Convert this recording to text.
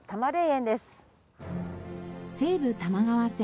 西武多摩川線